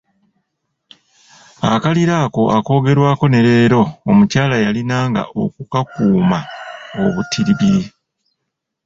Akalira ako akoogerwako ne leero, omukyala yalinanga okukakuuma obutibiri.